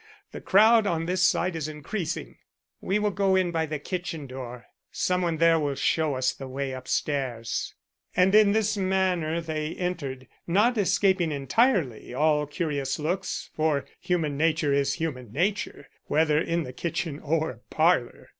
The crowd on this side is increasing." "We will go in by the kitchen door. Some one there will show us the way up stairs." And in this manner they entered; not escaping entirely all curious looks, for human nature is human nature, whether in the kitchen or parlor.